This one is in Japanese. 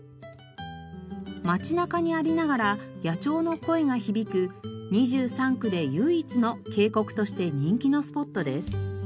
街中にありながら野鳥の声が響く２３区で唯一の渓谷として人気のスポットです。